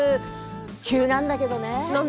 急なんだけどね